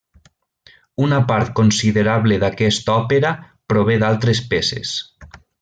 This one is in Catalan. Una part considerable d'aquesta òpera prové d'altres peces.